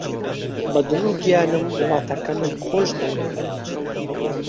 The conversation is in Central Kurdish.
بە دڵ و گیانم وڵاتەکەمم خۆش دەوێت.